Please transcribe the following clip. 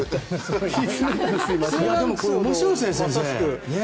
面白いですね、先生。